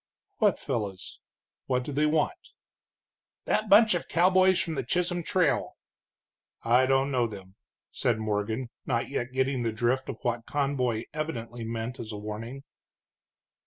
"What fellows? What do they want?" "That bunch of cowboys from the Chisholm Trail." "I don't know them," said Morgan, not yet getting the drift of what Conboy evidently meant as a warning.